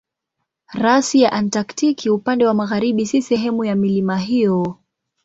Rasi ya Antaktiki upande wa magharibi si sehemu ya milima hiyo.